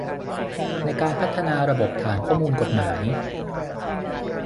ในการพัฒนาระบบฐานข้อมูลกฎหมาย